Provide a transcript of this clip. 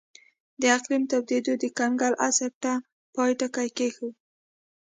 د اقلیم تودېدو د کنګل عصر ته پای ټکی کېښود.